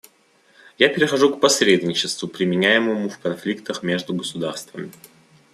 Я перехожу к посредничеству, применяемому в конфликтах между государствами.